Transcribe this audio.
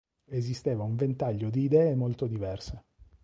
Esisteva un ventaglio di idee molto diverse.